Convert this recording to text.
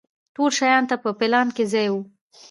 ټولو شیانو ته په پلان کې ځای و.